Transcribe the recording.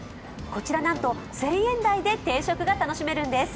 こちらなんと１０００円台で定食が楽しめるんです。